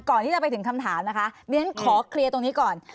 ก่อนที่จะไปถึงคำถามนะคะเรียนขอเคลียร์ตรงนี้ก่อน